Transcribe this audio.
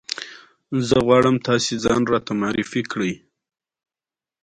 نن هوا ډېره ښه ده او خلک په ارام ډول خپل کارونه کوي.